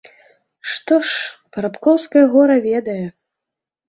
Што ж, парабкоўскае гора ведае.